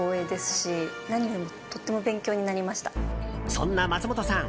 そんな松本さん